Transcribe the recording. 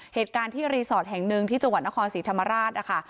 เหตุการณ์ที่รีสอร์ทแห่งหนึ่งที่จังหวัดนครศรีธรรมราชนะคะ